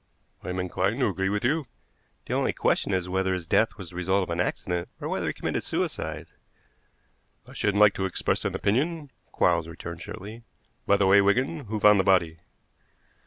"I am inclined to agree with you." "The only question is whether his death was the result of an accident or whether he committed suicide." "I shouldn't like to express an opinion," Quarles returned shortly. "By the way, Wigan, who found the body?"